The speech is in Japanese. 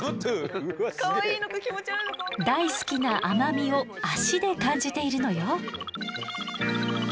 大好きな甘みを足で感じているのよ。